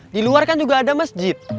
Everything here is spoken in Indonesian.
di luar kan juga ada masjid